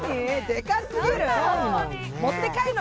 でかすぎる！